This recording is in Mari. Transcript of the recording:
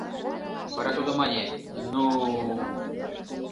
Вара тудо мане: «Ну-у-у».